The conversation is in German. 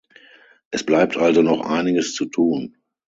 Es bleibt also noch einiges zu tun.